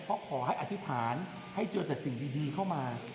เพราะขอให้อธิษฐานให้เจอแต่สิ่งดีเข้ามา